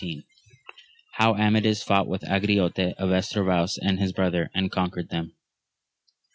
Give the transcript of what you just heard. — How Amadis fought with Angriote of Estrayaus and his brother, and conquered them.